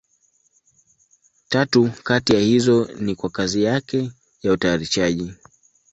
Tatu kati ya hizo ni kwa kazi yake ya utayarishaji.